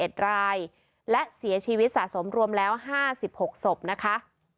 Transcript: เอ็ดรายและเสียชีวิตสะสมรวมแล้วห้าสิบหกศพนะคะ